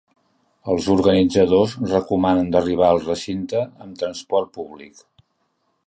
Els organitzadors recomanen d’arribar al recinte amb transport públic.